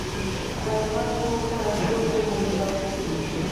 Además, jugó para el Club Bolívar.